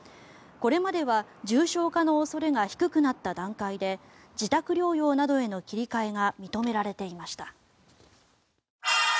これまでは重症化の恐れが低くなった段階で自宅療養などへの切り替えが認められていました。